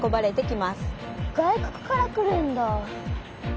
外国から来るんだ！